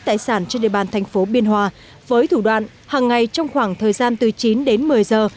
tài sản trên địa bàn tp biên hòa với thủ đoạn hằng ngày trong khoảng thời gian từ chín đến một mươi giờ